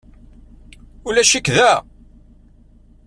Ulac-ik da?